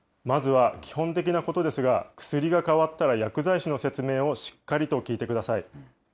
まずは基本的なことですが、薬が変わったら薬剤師の説明をしっかりと聞いてください。